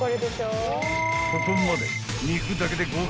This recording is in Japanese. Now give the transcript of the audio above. ［ここまで］